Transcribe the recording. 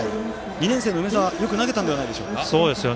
２年生の梅澤よく投げたんではないですか。